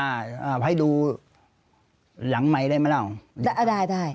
อ่าให้ดูหลังไมมายได้มั้ยล่ะได้